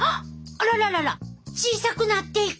あらららら小さくなっていく！